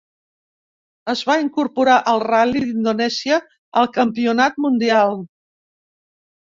Es va incorporar el ral·li d'Indonèsia al campionat mundial.